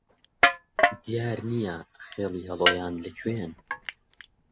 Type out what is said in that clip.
دیار نییە خێڵی هەڵۆیان لە کوێن